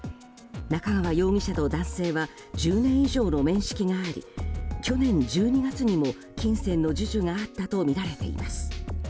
仲川容疑者と男性は１０年以上の面識があり去年１２月にも金銭の授受があったとみられています。